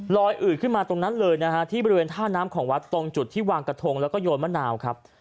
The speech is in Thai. อืดขึ้นมาตรงนั้นเลยนะฮะที่บริเวณท่าน้ำของวัดตรงจุดที่วางกระทงแล้วก็โยนมะนาวครับ